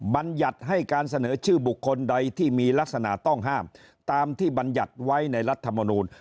บรรยัติให้การเสนอชื่อบุคคลใดที่มีลักษณะต้องห้ามตามที่บรรยัติไว้ในรัฐมนูล